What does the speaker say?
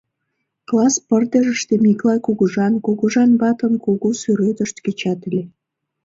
Класс пырдыжыште Миклай кугыжан, кугыжан ватын кугу сӱретышт кечат ыле.